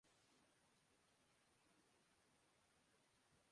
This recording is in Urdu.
شیکھر دھون کی طیارے میں شرارتیں سوشل میڈیا پر وائرل